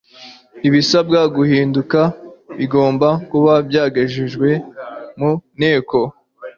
ibisabwa guhinduka bigomba kuba byagejejwe mu nteko